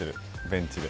ベンチで。